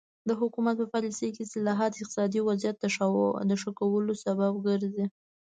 د حکومت په پالیسۍ کې اصلاحات د اقتصادي وضعیت د ښه کولو سبب ګرځي.